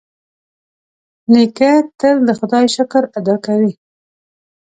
نیکه تل د خدای شکر ادا کوي.